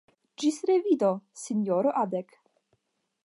Ĝis revido, sinjoro Adek.